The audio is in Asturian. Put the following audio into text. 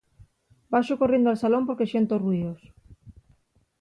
Baxo corriendo al salón porque siento ruíos.